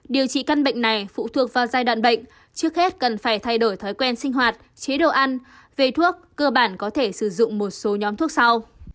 điều trị căn bệnh này phụ thuộc vào giai đoạn bệnh trước hết cần phải thay đổi thói quen sinh hoạt chế độ ăn về thuốc cơ bản có thể sử dụng một số nhóm thuốc sau